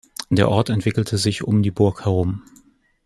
Der Ort entwickelte sich um die Burg herum.